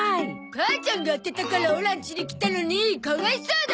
母ちゃんが当てたからオラんちに来たのにかわいそうだ！